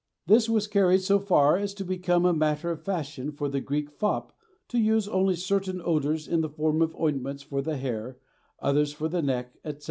This was carried so far as to become a matter of fashion for the Greek fop to use only certain odors in the form of ointments for the hair, others for the neck, etc.